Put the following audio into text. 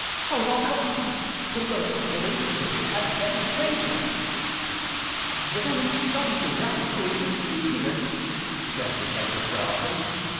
how it all comes to meâthe murdered womanâs name had been Frayser!â âThere is some rascally mystery here,â said Detective Jaralson.